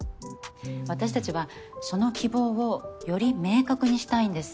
私たちはその希望をより明確にしたいんです。